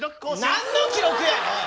何の記録やおい！